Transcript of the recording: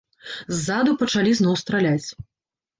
Ззаду пачалі зноў страляць.